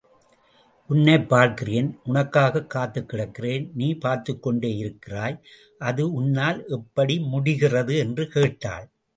உன்னைப் பார்க்கிறேன் உனக்காகக் காத்துக் கிடக்கிறேன் நீ பார்த்துக்கொண்டே இருக்கிறாய் அது உன்னால் எப்படி முடிகிறது என்று கேட்டாள்.